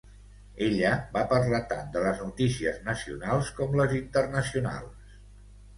Ella va parlar tant de les notícies nacionals com les internacionals.